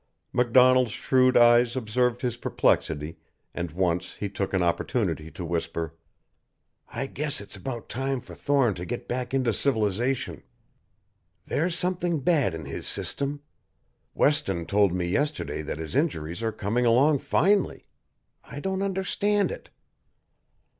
MacDonald's shrewd eyes observed his perplexity, and once he took an opportunity to whisper: "I guess it's about time for Thorne to get back into civilization. There's something bad in his system. Weston told me yesterday that his injuries are coming along finely. I don't understand it."